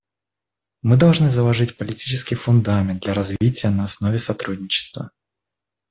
Мы должны заложить политический фундамент для развития на основе сотрудничества.